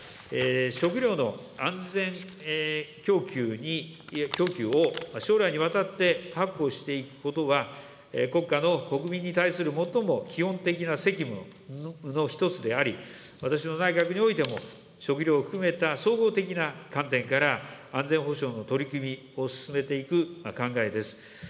食料の安全供給を将来にわたって確保していくことは、国家の国民に対する最も基本的な責務の一つであり、私の内閣においても、食料含めた総合的な観点から、安全保障の取り組みを進めていく考えです。